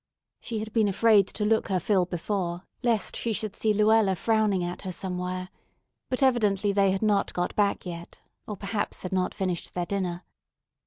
She had been afraid to look her fill before lest she should see Luella frowning at her somewhere; but evidently they had not got back yet, or perhaps had not finished their dinner.